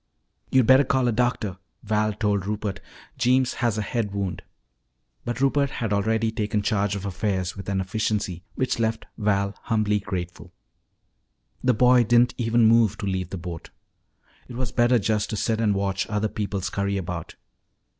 "You'd better call a doctor," Val told Rupert. "Jeems has a head wound." But Rupert had already taken charge of affairs with an efficiency which left Val humbly grateful. The boy didn't even move to leave the boat. It was better just to sit and watch other people scurry about.